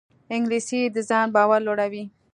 انګلیسي د ځان باور لوړوي